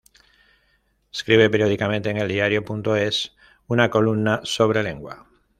Escribe periódicamente en eldiario.es una columna sobre lengua.